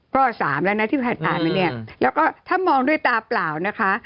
สามแล้วนะที่ผ่านมาเนี่ยแล้วก็ถ้ามองด้วยตาเปล่านะคะ